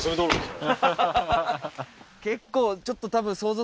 結構ちょっと多分軽々？